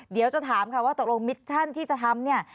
เดี๋ยวจะถามค่ะว่าตกลงมิชชั่นที่จะทำเนี่ย